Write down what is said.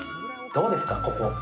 どうですか、ここ。